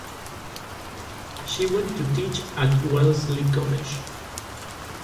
She went to teach at Wellesley College.